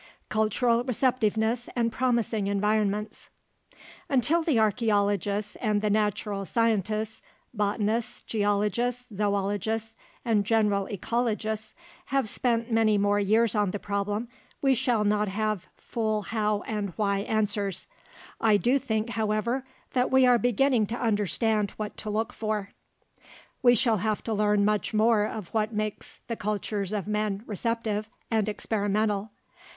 CULTURAL "RECEPTIVENESS" AND PROMISING ENVIRONMENTS Until the archeologists and the natural scientists botanists, geologists, zoologists, and general ecologists have spent many more years on the problem, we shall not have full how and why answers. I do think, however, that we are beginning to understand what to look for. We shall have to learn much more of what makes the cultures of men "receptive" and experimental.